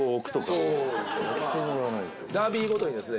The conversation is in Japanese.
ダービーごとにですね